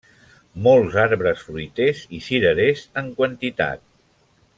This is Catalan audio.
Molts arbres fruiters, i cirerers en quantitat.